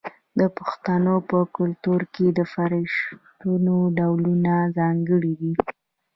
د پښتنو په کلتور کې د فرشونو ډولونه ځانګړي دي.